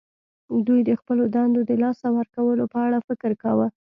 دوی د خپلو دندو د لاسه ورکولو په اړه فکر کاوه